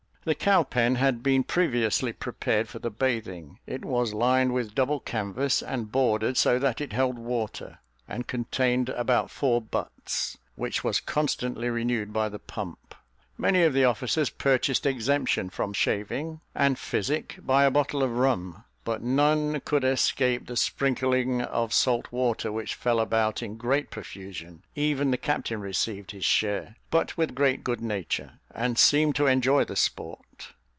The cow pen had been previously prepared for the bathing; it was lined with double canvas, and boarded, so that it held water, and contained about four butts, which was constantly renewed by the pump. Many of the officers purchased exemption from shaving and physic by a bottle of rum; but none could escape the sprinkling of salt water, which fell about in great profusion; even the captain received his share, but with great good nature, and seemed to enjoy the sport.